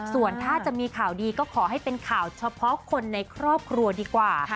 ส่วนถ้าจะมีข่าวดีก็ขอให้เป็นข่าวเฉพาะคนในครอบครัวดีกว่า